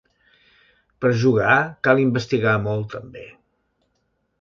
Per jugar cal investigar molt, també.